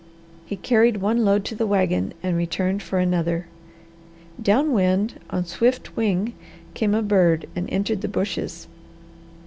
He carried one load to the wagon and returned for another. Down wind on swift wing came a bird and entered the bushes.